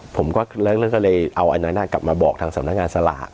ผมก็เริ่มเรื่องก็เลยเอาอันนั้นกลับมาบอกทางสำนักงานสลาก